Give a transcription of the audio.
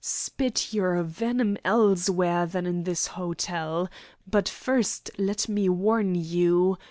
Spit your venom elsewhere than in this hotel. But first let me warn you.